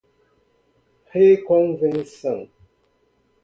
reconvenção